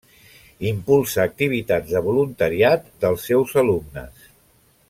Impulsa activitats de voluntariat dels seus alumnes.